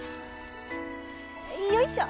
よいしょ！